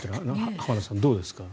浜田さん、どうですか。